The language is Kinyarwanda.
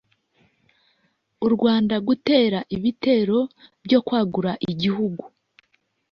u Rwanda gutera ibitero byo kwagura igihugu,